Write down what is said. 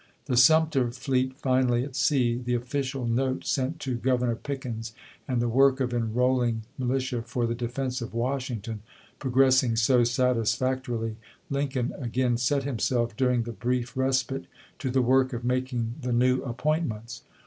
The Sumter fleet finally at sea, the official note sent to Governor Pickens, and the work of enroll ing militia for the defense of Washington progres sing so satisfactorily, Lincoln again set himself, during the brief respite, to the work of making the new appointments.